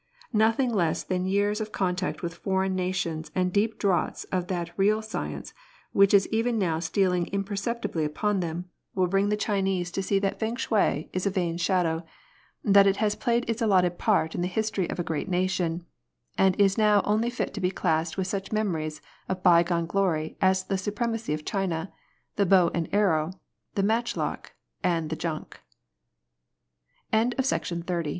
Nothing less than years of contact with foreign nations and deep draughts of that real science which is even now steal ing imperceptibly upon them, will bring the Chinese X 146 F&NG SHUl. to see that Feng shui is a vain shadow, that it has played its allotted part in the history of a great nation, and is now only fit to be classed with such memories of by gone glory as the supremacy of China, the bow and arrow, the matchlock, and the junk.